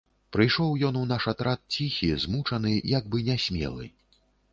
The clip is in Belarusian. Прыйшоў ён у наш атрад ціхі, змучаны, як бы нясмелы.